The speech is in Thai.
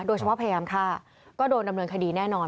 โดยเฉพาะพยายามฆ่าก็โดนดำเนินคดีแน่นอน